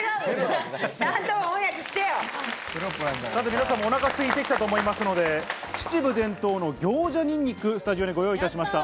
皆さんもお腹がすいてきたと思いますので、秩父伝統の行者にんにく、スタジオにご用意しました。